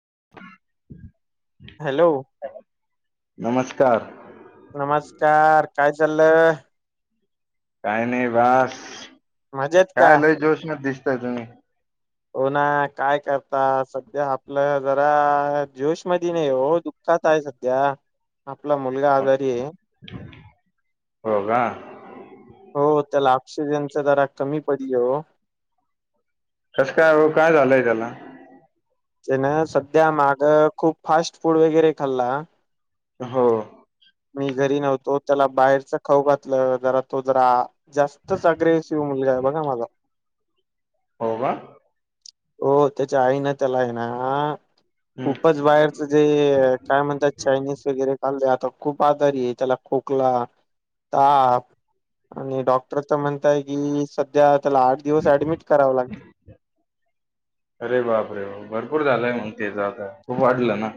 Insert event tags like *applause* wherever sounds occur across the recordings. *inaudible* Hello चार नमस्कार काय चाललं? काय नाय बास मजेत का काय लय जोश मधी दिसताय तुम्ही हो ना काय करता सध्या आपलं जरा जोश मधी नाही हो दुःखात हाय सध्या आपला मुलगा आजारी ये. हो का हो त्याला ऑक्सिजनच जरा कमी पडली ओ कसं काय ओ काय झालंय त्याला ते ना सध्या माग खूप फास्ट फूड वगैरे खाल्ला हो. मी घरी नव्हतो त्याला बाहेरच खाऊ घातलं जरा तो जरा जास्तच अग्रेसिव मुलगा आहे बघा माझा हो का हो त्याच्या आई न त्याला हाय ना हम्म खूपच बाहेरच जे काय म्हणतात चायनीज वगैरे खाल्ले आता खूप आजारी ये त्याला खोकला ताप आणि डॉक्टर त म्हणताय की सध्या त्याला आठ दिवस ऍडमिट कराव लागनं ते चं आता खूप वाढलं ना.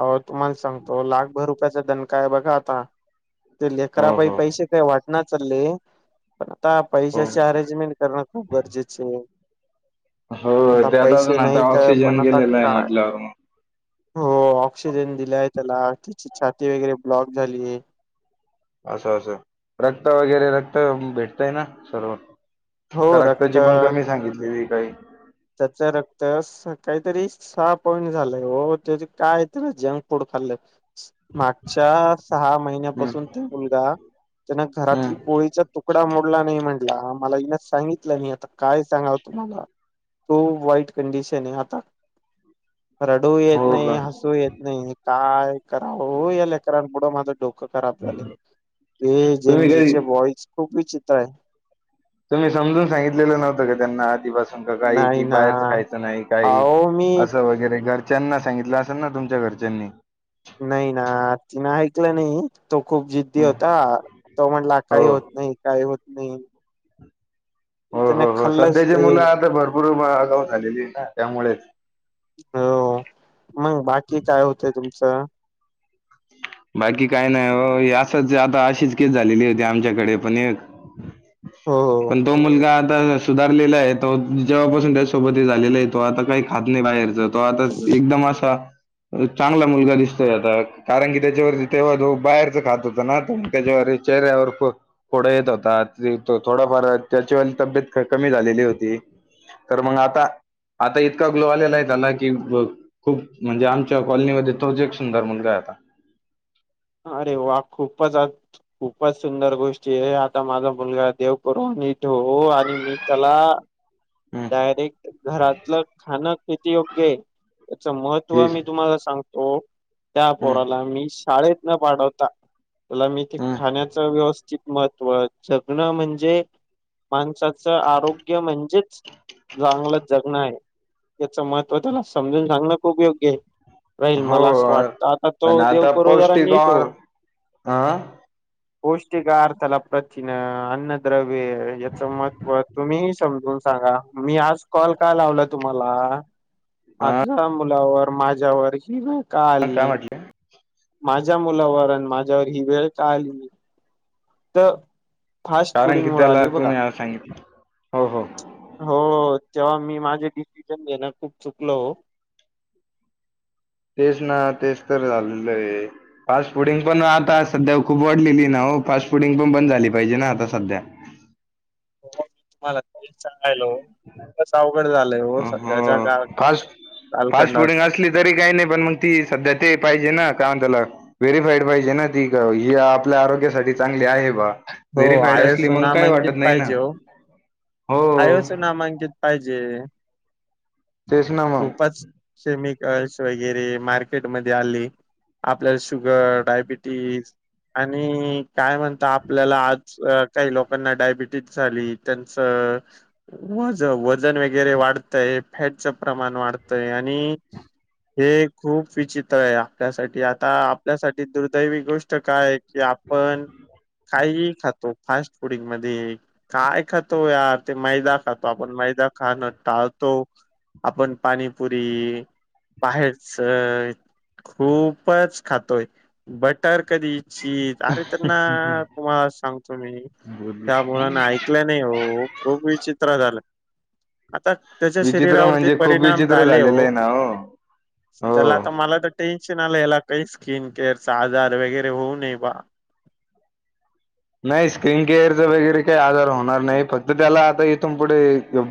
आहो तुम्हाला सांगतो लाखभर रुपयाचा दणका हाय बघा आता ते हो लेकरापाई हो पैसे काय वाट नाय चालले पण आता हो पैशाची अरेंजमेंट करणं खूप गरजेचे ये. हो आता त्यात पैसे अजून आता नाहीत ऑक्सिजन पण आता गेलेला आहे काय म्हटल्यावर मग हो ऑक्सिजन दिलाय त्याला त्याची छाती वगैरे ब्लॉक झालीये. असं असं रक्त वगैरे रक्त भेटतय ना सर्व हो का रक्त रक्ताची पण कमी सांगितलेली. काही तर काहीतरी सहा पॉईंट झालंय हो त्या कायतरी जंक फूड खाल्लंय. मागच्या सहा हम्म महिन्यापासून ते मुलगा त्यांन हम्म घरातली पोळीचा तुकडा मोडला नाही म्हटला मला यस सांगितलं मी आता काय सांगाव तुम्हाला तो व्हाइट कंडिशन हाय आता. रडूही येत हो नाही, का हसूहीयेत नाही. काय करावं या लेकरां पुुढं माझं डोकं खराब झालंय. हे तुम्ही कधी जनजीचे बॉईज खूप विचित्र हायत. तुम्ही समजून सांगितलेलं नव्हतं का त्यांना, आधिपास काही नाही की ना बाहेरच खायचं नाही, काही अहो मी असं वगैरे घर त्यांना सांगितलं असेल ना, तुमच्या घरच्यांनी. नाही ना, तिनं ऐकलं नाही. तो खूप जिद्दी हम्म होता, तो म्हंटला काही हो होत नाही, काही होत नाही. हो त्याने हो हो, खाल्लंच सध्याची ते मुलं आता भरपूर आगाऊ झालेली हाईत, त्यामुळेच हो, मग बाकी काय होतंय तुमचं? बाकी काय नाही हो, यासंच आता अशीच केस झालेली होती आमच्याकडे पण एक. हो हो. पण तो मुलगा आ सुधारलेला आहे, तो जेव्हापासून त्यासोबत हे झालेलं आहे, तो आता काही खात नाही बाहेरचं. तो आता एकदम असा चांगला मुलगा दिसतोय आता कारण की, त्याच्यावरती तेव्हा जो बाहेरच खात होतं ना, तर त्याच्यावर चेह्यावर फोडं येत होतात. *unintelligible* थोडाफार त्याच्या वाली तब्येत कमी झालेली होती, तर मग आता आता इतका ग्लो आलेला आहे त्याला की, अ खूप म्हणजे आमच्या कॉलनीमध्ये तोच एक सुंदर मुलगा आहे आता. अरे वाह खूपच खूपच सुंदर गोष्टी आहे, आता माझा मुलगा देव करून येतो आणि मी त्याला हम्म डायरेक्ट घरातलं खाणं किती योग्य हाय? त्याच महत्त्व येस मी तुम्हाला सांगतो, त्या हम्म पोराला मी शाळेत न पाठवता, त्याला मी ते हम्म खाण्याचं व्यवस्थित महत्व. जगणं म्हणजे माणसाचं आरोग्य म्हणजेच चांगलं जगणं आहे. त्याच महत्व त्याला समजून सांगणं खूप योग्य हाय. राहील हो मला असं वाटतं. आता आणि तो देवकरो जरा नीट होवो. आ. पौष्टिक अर्थाला प्रथिनं, अन्नद्रव्य याच महत्त्व तुम्हीच समजून सांगा. मी आज कॉल का लावला तुम्हाला? हा माझ्या मुलावर माझ्यावर ही वेळ का काय आली? म्हटले माझ्या मुलावर आणि माझ्यावर ही वेळ का आली? तर फास्ट कारण की फुडिंगमुळं त्याला आली ही बघा, तुम्ही आज सांगितलं हो हो हो. जेव्हा मी माझे डिसिजन देणं खूप चुकलो तेच ना तेच तर झालेलं आहे. फास्ट फुडिंगपण आता सध्या खूप वाढलेली ना हो फास्ट फुडिंगपण बंद झाली पाहिजे ना, आता सध्या. *unintelligible* हॅलो, तसं अवघड झालंय हो हो सध्याच्या काळ फास्टफास्ट कालखंडात. फुडिंग असली तरी काही नाही, पण मग ती सध्या ते पाहिजे ना कांदलं, व्हेरीफाईड पाहिजे ना ती. ही आपल्या आरोग्यासाठी चांगली आहे बा हो व्हेरीफाईड आयोस असली मग काही नामांकित वाटत नाही ना पाहिजे ओ. हो आयोस नामांकित पाहिजे. तेच ना खूपच शेमीक गर्ल्स वगैरे मार्केटमध्येध्ये आले. आपल्याला शुगर, डायबिटीस आणि काय म्हणता आ पल्याला आज काही लोकांना डायबिटीज झाली. त्यांच वज वज वगैरे वाढतंय फॅटच प्रमाण वाटतंय आणि हे खूप विचित्र आहे आपल्यासाठी. आता आपल्यासाठी दुर्दैवी गोष्ट काय हाय की आपण काहीही खातो फास्टफुडिंगमध्ये. काय खातो यार ते मैदा खातो आपण मैदा खाणं टाळतो. आपण पाणीपुरी बाहेरचं खूपच खातोय. बटर कधीच्छित अरे त्यांना. तुम्हाला सांगतो मी मग त्या मुलाने ऐकलं नाही हो खूप विचित्र झालं. आता त्याच्या विचित्र शरीरावरती म्हणजे खूप परिणाम विचित्र झाले झालेलं आहे हो. ना चला हो आता मला तर टेन. याला काही स्किन केअरचा आजार वगैरे होऊ नये बा. नाही स्क्रीन केअरचा वगैरे काही आजार होणार नाही फक्त त्याला आता इथून पुढे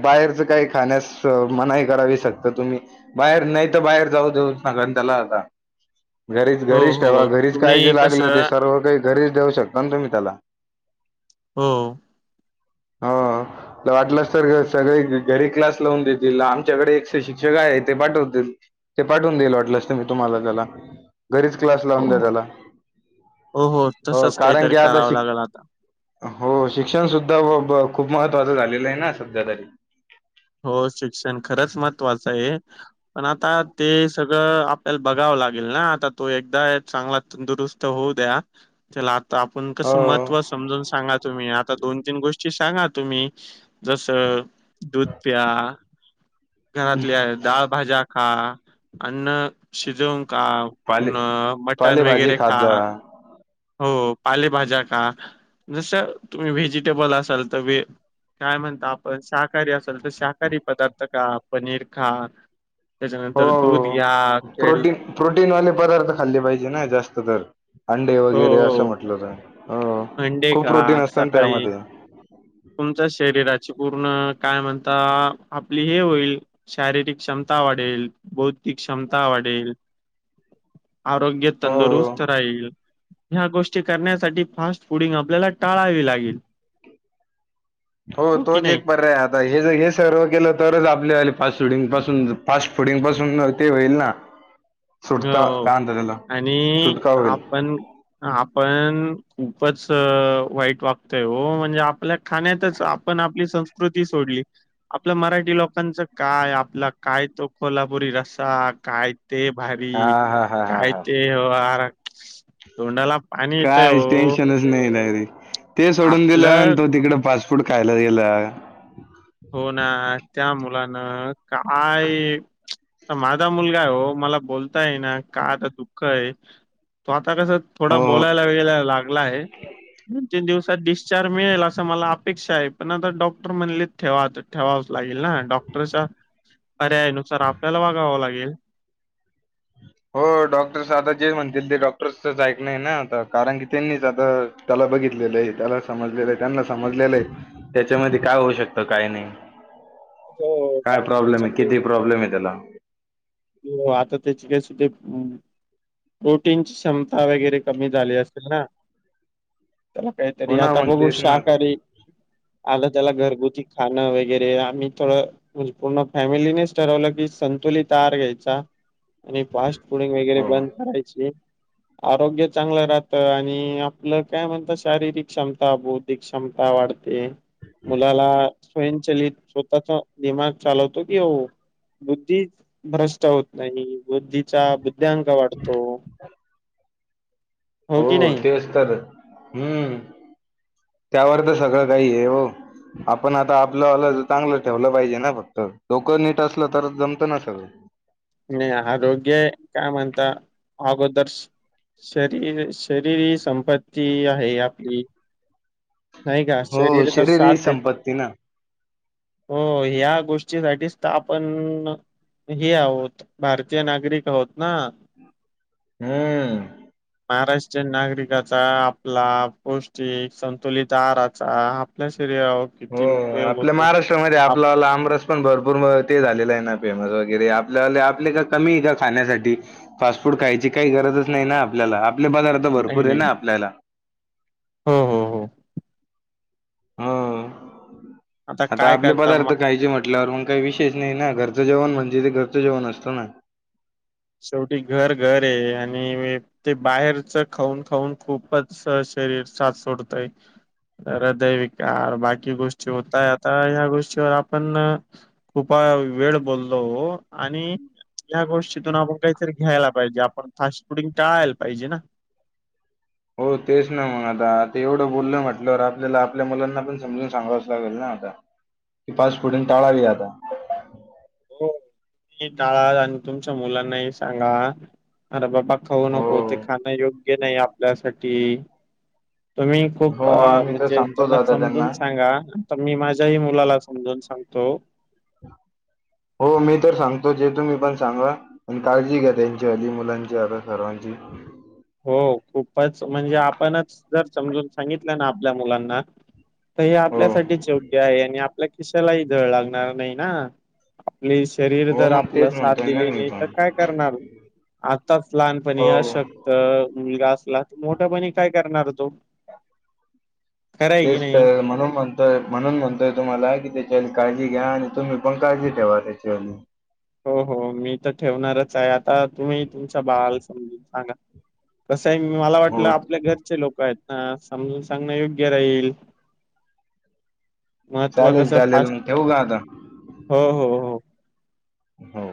बाहेरच काही खाण्यास मनाई करावी शकत तुम्ही बाहेर नाही तर बाहेर जाऊ देऊन सका त्याला आता. *unintelligible* घरीच हो घरीच ठेवा हो घरीच काही तुम्ही जे लागलं कसं ते सर्व काही घरीच देऊ शकता ना तुम्ही त्याला. हो ह. वाटलंस तर सगळे घरी क्लास लावून देतील आमच्याकडे एकशे शिक्षक आहे ते पाठवतील. ते पाठवून देईल वाटलं असत मी तुम्हाला त्याला. घरीच क्लास हो लावून द्या हो. त्याला हो हो तसच कारण काहीतरी की आता करावं शिक. लागेल आता हो शिक्षण सुद्धा खूप महत्वाचं झालेलं आहे ना सध्या तरी. हो शिक्षण खरंच महत्त्वाचं आहे. पण आता ते सगळं आपल्याला बघावं लागेल ना आता तो एकदा चांगला तंदुरुस्त होऊन. दया चला. तर आपण कसं हो महत्त्व समजून सांगा तुम्ही आता दोन तीन गोष्टी सांगा तुम्ही. जस दूध प्याया घरातल्या डाळ भाज्या. खा अन्न. शिजून का पाले मटन पालेभाजी वगैरे खात खा. जा हो पालेभाज्या का जस तुम्ही व्हेजिटेबल असाल तर. काय म्हणत आपण शाकाहारी असल तर शाकाहारी पदार्थ का पनीर खा. हो त्यानंतर दूध घ्या. केळी प्रोटीन प्रोटीनवाले पदार्थ खाल्ले पाहिजे ना जास्त तर. अंडे वगैरे असं म्हटलं तर. हो म्हंडे खूप का प्रोटीन असत ना सकाळी त्यामध्ये तुमच्या शरीरा. पूर्ण काय म्हणता आपली हे होईल शारीरिक क्षमता वाढेल बौ. ती क्षमता वाढेल. आरोग्य हो तंदुरुस्त राहील ह्या गोष्टी करण्यासाठी फास्. पुडिंग आपल्याला टाळावी लागेल. हो की तोच नाही? एक पर्याय आता हे ज हे सर्व केलं तरच आपली आले पा शूटिंग पा. फास्ट फुडंग पासून ते होईल ना. हो सुटका हो काय म्हणता त्याला आणि सुटका होईल आपण आपण. खूपच वाईट वागतय म्हणजे आपल्या खाण्यात आपण आपली संस्कृती. सोडली आपल्या मराठी लोक. च काय आपला काय तो कोो्हापुरी रसा काय ते. हा भारी हा हा हा काय हा ते व तोंडाला पाणी येतंय काय हो. टेन्शनच नाही नाही रे ते सोडून दिलं आणि आपलं तो तिकड फास्ट फूड खायला गेला हो ना त्या मुलानं काय माझा मुलगा आहे हो मला बोलताय ना का आता दुःख आहे तो आ ता कस थोडा हो बोलायला वेगला लागला आहे दिवसात डिस्चार्ज मिळेल असं मला अपेक्षा आहे पण आता डॉक्टर म्हणले ठेवा ठेवावं लागेल ना डॉक्टरच्या पर्याया नुसार आपल्याला वागाव लागेल *inaudible* हो डॉक्टरस आता जे म्हणतील ते डॉक्टरच ऐक नाही ना आ कारण की त्यांनीच आता त्याला बघितलेलं आहे त्याला समजलेलं आहे त्यांना समजलेलं आहे त्याच्यामध्ये काय होऊ शकतं काय नाही हो काय प्रॉब्लेम डॉक्टरच्या आहे किती प्रॉब्लेम आहे त्याला? हो हो आता त्याची काय सुद्धे प्रोटीनची क्षम त्याला हो काहीतरी ना आता मग बघू तेच ना आता शाकाहारी आलं त्याला घरगुती खाणं वगैरे आम्ही थोडं म्हणजे पूर्ण फॅमिलीनेच ठरवलं की सन तुलीत घ्यायचा आणि फास्ट फूडिंग वगैरे हो बंद करायची. आरोग्य चांगलं राहतं आणि आपलं काय म्हणतात शारीरिक क्षमता, बौद्धिक क्षमता वाढते. मुलाला स्वयंचलित स्वतःचा दिमाग चालवतो की हो बुद्धी भ्रष् ट होत नाही बुद्धीचा बुद्ध्यांक वाढतो. हो की नाही. तेच तर हम्म. त्यावर तर सगळं काही आहे हो. आपण आता आपलं आलं चांगलं ठेवलं पाहिजे ना फक्त डोकं नीट असलं तर जमत ना सगळं. नाही आरोग्य काय म्हणता अगोदरच शरीर शरीर ही संपत्ती आहे आपली. नाही का हो शरीर दस शाथ ही दे संपत्ती ना हो ह्या गोष्टीसाठीचत आपण हे आहोत भारतीय नागरिक आहोत ना हम्म महाराष् नागरिकाचा आपला पौष्टिक संतुलित आहाराचा आपल्यास हो आपल्या महाराष्ट्रामध्ये आप आपलाला आमरस पण भरपूर ते झालेलं आहे ना फेमस *unintelligible* आपल्या आपले का कमी आहे का खाण्यासाठी फास्ट फूड खायची काही गरजच नाही ना आपल्याला. आपले पदार्थ आता नाही भरपूर आहे नाही ना आपल्याला. हो हो हो. हो आता काय आपले करता पदार्थ मग खायचे म्हटल्यावर मण काही विशेष नाही ना घर चं जेवण म्हणजे तेे घरचं जेवण असतो ना. शेवटी घर घर आहे आणि हे ते बाहेरच खाऊन खाऊन खूपच शरीर सात सोडतय. रदैविक आहार बाकी गोष्टी होतय आता ह्या गोष्टीवर आपण खूप वेळ बोललो हो आणि या गोष तिथून आपण काहीतरी घ्यायला पाहिजे आपण फास्ट फुडिंग टळायला पाहिजे ना. हो तेच ना मग आता तेवढं बोललं म्हटलंवर आपल्याला आपल्या मुलांना पण समजून सांगावच लागेल ना. हा का फास्टफूड ने टाळा हे आता. हो टाळा आणि तुमच्या मुलांनाही सांगा अरे बाबा खाऊ हो नको ते खाणं योग्य नाही आपल्यासाठी. तुम्ही खूप हो अ आम्ही तर म्हणजे सांगतोच त्यांना आता समजून त्यांना सांगा. तर मी माझ्याही मुलाला समजून सांगतो. हो मी तर सांगतो जे तुम्ही पण सांगा पण काळजी घ्या त्यांची हली मुलांची आता सर्वां ह हो खूपच म्हणजे आपणच जर समजून सांगितलं ना आपल्या मुलांना तर हे हो आपल्यासाठीच योग्य आहे आणि आपल्या खिशालाही झळ लागणार नाही ना. आपली शरीर हो जर मग आपलं तेच साथ म्हणतोय ना दिली मी नाही तर पण काय करणार आताच लहानपणी हो अश क्त मुलगा असला तर मोठ्यापणी काय करणार तो. खरं आहे ते की नाही तर म्हणून म्हणतोय म्हणून म्हणतोय तुम्हाला की ते जी काळजी घ्या आणि तुम्ही पण काळजी ठेवा त्याच्या अली. हो हो मी तर ठेवणारच आहे आता तुम्ही तुमचा बाळाला समजून सांगा. कसं आहे मला वाटलं हो आपल्या घरचे लोकं आहेत. ह समजून सांगणं योग्य राहील महत्व चालेल कसं फ चालेल मग ठेवू का आता हो हो हो हो